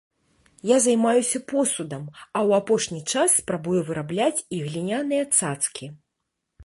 Я займаюся посудам, а ў апошні час спрабую вырабляць і гліняныя цацкі.